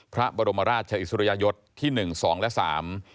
พระบรมราชอิสุรยยศที่๑๒และ๓